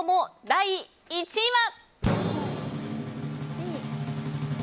第１位は？